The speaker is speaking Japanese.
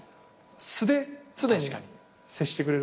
素で常に接してくれる。